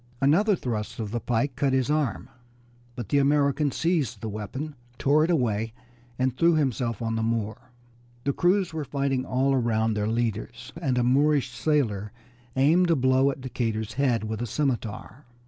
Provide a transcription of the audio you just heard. Another thrust of the pike cut his arm, but the American seized the weapon, tore it away, and threw himself on the Moor. The crews were fighting all around their leaders, and a Moorish sailor aimed a blow at Decatur's head with a scimitar.